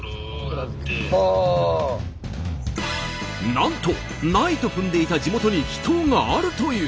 なんとないと踏んでいた地元に秘湯があるという。